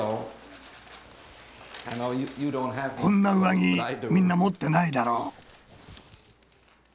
こんな上着みんな持ってないだろ？